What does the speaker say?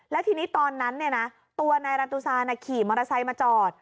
แล้วทีนี้ตอนนั้นตัวนายรันตุซานขี่มอเตอร์ไซค์มาจอด